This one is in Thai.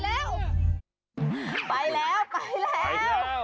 ออกไปด้วย